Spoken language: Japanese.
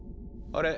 あれ？